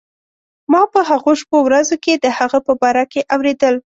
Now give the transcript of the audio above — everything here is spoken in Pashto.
ما په هغو شپو ورځو کې د هغه په باره کې اورېدل.